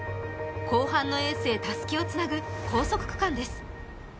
後半のエースへたすきをつなぐ高速区間です。